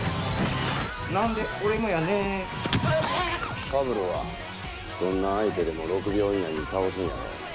何で俺もやねんファブルはどんな相手でも６秒以内に倒すんやろ？